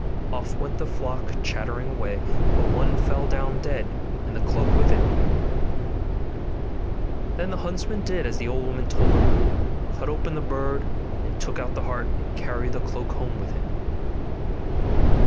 Off went the flock chattering away; but one fell down dead, and the cloak with it. Then the huntsman did as the old woman told him, cut open the bird, took out the heart, and carried the cloak home with him.